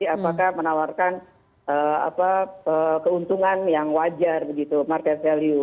apakah menawarkan keuntungan yang wajar begitu market value